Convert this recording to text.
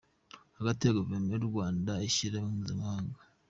hagati ya Guverinoma y‟u Rwanda n‟Ishyirahamwe Mpuzamahanga